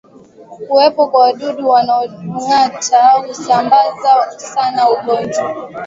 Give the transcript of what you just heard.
Kuwepo kwa wadudu wanaongata husambaza sana ugonjwa